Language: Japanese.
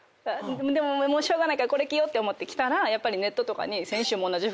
でもしょうがないからこれ着ようって思って着たらやっぱりネットとかに。